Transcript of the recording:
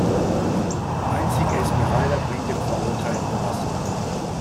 Einzig Esmeralda bringt dem Verurteilten Wasser.